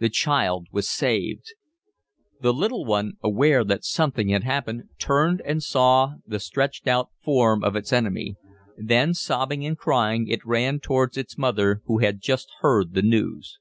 The child was saved. The little one, aware that something had happened, turned and saw the stretched out form of its enemy. Then, sobbing and crying, it ran toward its mother who had just heard the news.